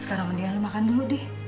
sekarang mendingan lo makan dulu dih